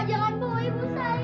ibu jangan pergi bu ibu jangan pergi